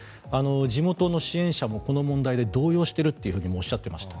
地元の支援者もこの問題で動揺しているともおっしゃっていました。